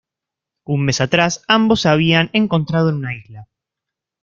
Un mes atrás, ambos se habían encontrado en una isla.